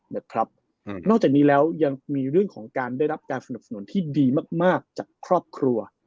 นอกจากนี้แล้วยังมีเรื่องของการได้รับการสนับสนุนที่ดีมากจากครอบครัว